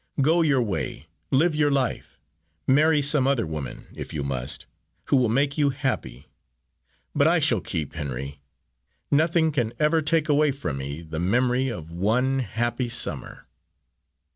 Go your way; live your life. Marry some other woman, if you must, who will make you happy. But I shall keep, Henry nothing can ever take away from me the memory of one happy summer."